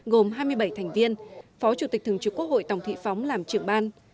gồm hai mươi bảy thành viên phó chủ tịch thường trực quốc hội tòng thị phóng làm trưởng ban